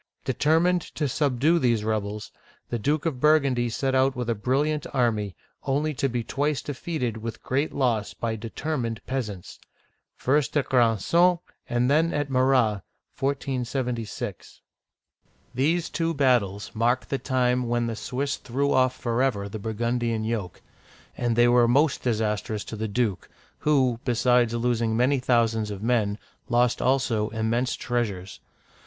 Determined to subdue these rebels, the Duke of Burgundy set out with a brilliant army, only to be twice defeated with great loss by determined peas ants (first at Granson and then at Morat, 1476). These two battles mark the time when the Swiss threw off forever the Burgundian yoke ; and they were most dis astrous to the duke, who, besides losing many thousands of men, lost also immense treasures.